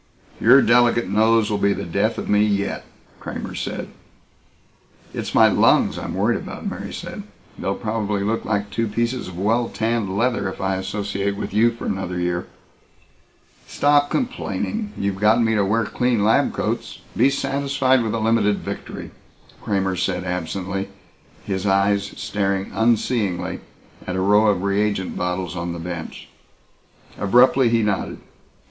"Your delicate nose will be the death of me yet " Kramer said. "It's my lungs I'm worried about," Mary said. "They'll probably look like two pieces of well tanned leather if I associate with you for another year." "Stop complaining. You've gotten me to wear clean lab coats. Be satisfied with a limited victory," Kramer said absently, his eyes staring unseeingly at a row of reagent bottles on the bench. Abruptly he nodded.